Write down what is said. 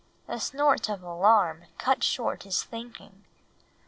A snort of alarm cut short his thinking.